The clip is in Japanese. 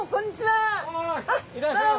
いらっしゃいませ！